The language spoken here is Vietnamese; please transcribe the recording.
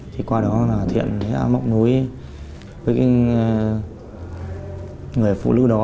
thì qua đó thiện đã mọc nối với người phụ nữ đó